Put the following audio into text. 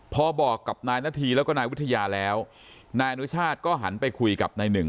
พอบอกกับนายนาธีแล้วก็นายวิทยาแล้วนายอนุชาติก็หันไปคุยกับนายหนึ่ง